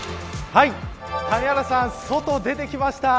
谷原さん、外に出てきました。